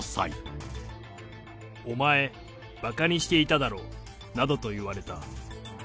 お前、ばかにしていただろなどと言われた。